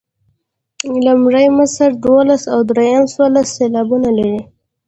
لومړۍ مصرع دولس او دویمه څوارلس سېلابونه لري.